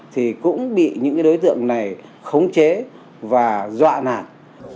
thì cũng bị những đối tượng này khống chế và dọa nạt